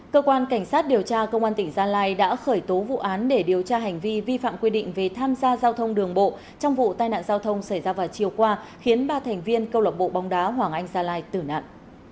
cơ quan cảnh sát điều tra công an tỉnh gia lai đã khởi tố vụ án để điều tra hành vi vi phạm quy định về tham gia giao thông đường bộ trong vụ tai nạn giao thông xảy ra vào chiều qua khiến ba thành viên câu lạc bộ bóng đá hoàng anh gia lai tử nạn